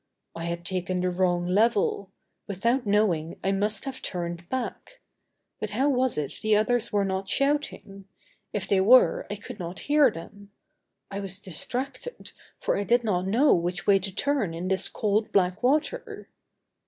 I had taken the wrong level; without knowing, I must have turned back. But how was it the others were not shouting. If they were I could not hear them. I was distracted, for I did not know which way to turn in this cold, black water.